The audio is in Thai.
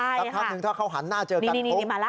สักครั้งนึงถ้าเขาหันหน้าเจอกันพรุ่ง